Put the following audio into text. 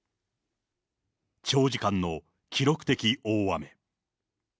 長時間の記録的大雨。